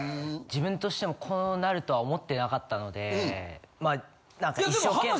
自分としてもこうなるとは思ってなかったのでまあなんか一生懸命。